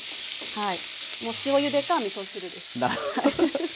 はい。